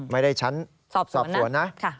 ไม่ได้ชั้นสอบสวนนะ